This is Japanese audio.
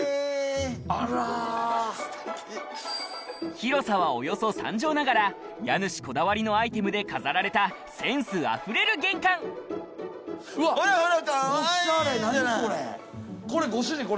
広さはおよそ３帖ながら家主こだわりのアイテムで飾られたセンスあふれる玄関オシャレ何これ。